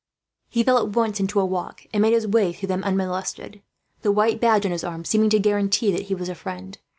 He fell at once into a walk, and made his way through them unmolested, the white badge on his arm seeming to guarantee that he was a friend.